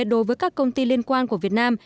đối với các công ty liên quan của việt nam